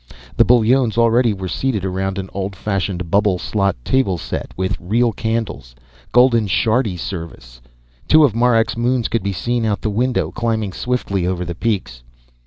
The Bullones already were seated around an old fashioned bubble slot table set with real candles, golden shardi service. Two of Marak's moons could be seen out the window climbing swiftly over the peaks.